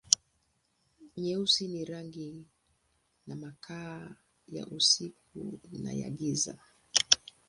Nyeusi ni rangi na makaa, ya usiku na ya giza.